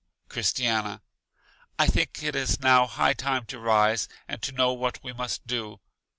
Christiana: I think it is now high time to rise, and to know what we must do.